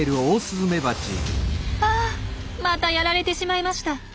ああまたやられてしまいました。